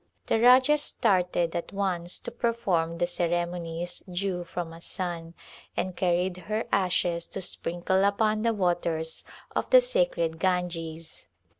The Rajah started at once to perform the ceremonies due from a son, and carried her ashes to sprinkle upon the waters of the sacred Ganges.